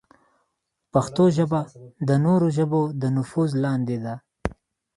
پښتو ژبه د نورو ژبو د نفوذ لاندې ده.